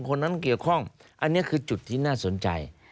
คนนั้นเกี่ยวข้องอันนี้คือจุดที่น่าสนใจ